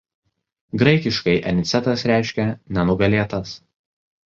Graikiškai Anicetas reiškia „nenugalėtas“.